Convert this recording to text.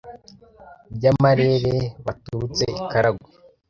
byamarere Baturutse i Karagwe